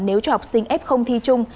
nếu cho học sinh f thi chung